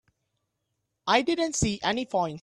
I didn't see any point.